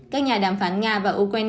các nhà đàm phán nga và ukraine